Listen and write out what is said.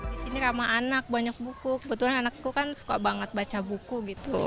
di sini ramah anak banyak buku kebetulan anakku kan suka banget baca buku gitu